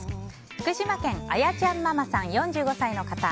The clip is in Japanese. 福島県、４２歳の方。